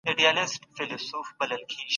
د لمر لوېدو وروسته دروند خواړه مه خوره